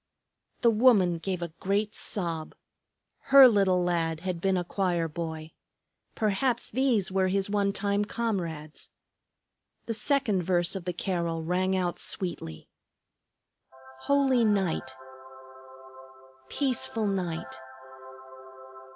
The woman gave a great sob. Her little lad had been a choir boy, perhaps these were his one time comrades. The second verse of the carol rang out sweetly: "Holy night! Peaceful night!